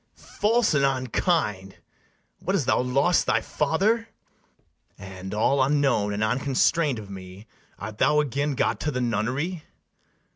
False and unkind! what, hast thou lost thy father? And, all unknown and unconstrain'd of me, Art thou again got to the nunnery?